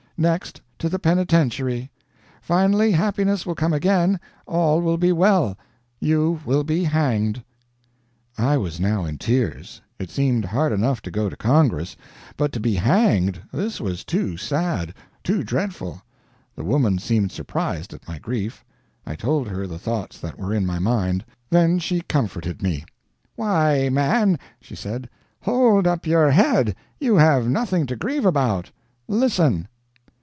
Next, to the penitentiary. Finally, happiness will come again all will be well you will be hanged." I was now in tears. It seemed hard enough to go to Congress; but to be hanged this was too sad, too dreadful. The woman seemed surprised at my grief. I told her the thoughts that were in my mind. Then she comforted me. "Why, man," she said, "hold up your head you have nothing to grieve about. Listen.